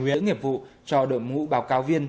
để làm nhiệm vụ cho đội ngũ báo cáo viên